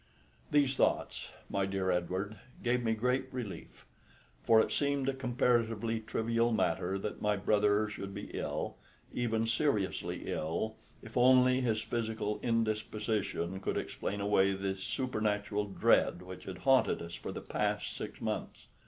These thoughts, my dear Edward, gave me great relief; for it seemed a comparatively trivial matter that my brother should be ill, even seriously ill, if only his physical indisposition could explain away the supernatural dread which had haunted us for the past six months.